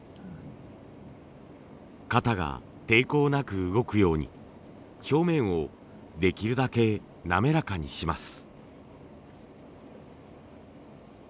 型が抵抗なく動くように表面をできるだけなめらかにします。